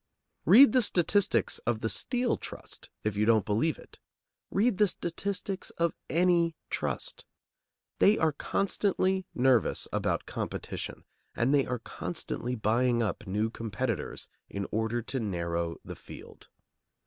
Read the statistics of the Steel Trust, if you don't believe it. Read the statistics of any trust. They are constantly nervous about competition, and they are constantly buying up new competitors in order to narrow the field.